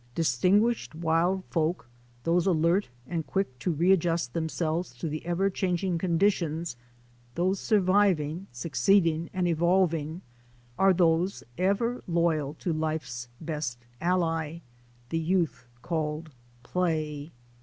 Distinguished wild folk, those alert and quick to re adjust themselves to the ever changing conditions — those surviving, succeeding and evolving— are those ever loyal to life's best ally — the youth called Play.